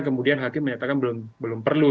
kemudian hakim menyatakan belum perlu